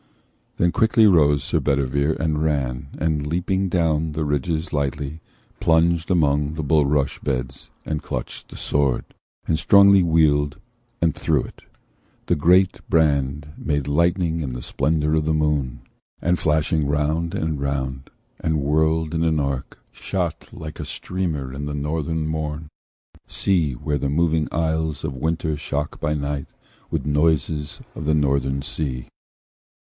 Then quickly rose Sir Bedivere, and ran, And, leaping down the ridges lightly, plunged Among the bulrush beds, and clutched the sword, And strongly wheeled and threw it. The great brand Made lightnings in the splendour of the moon, And flashing round and round, and whirled in an arch, Shot like a streamer of the northern morn, Seen where the moving isles of winter shock By night, with noises of the Northern Sea.